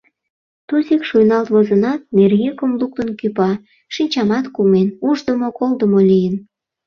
Тузик шуйналт возынат, нерйӱкым луктын кӱпа, шинчамат кумен, уждымо-колдымо лийын.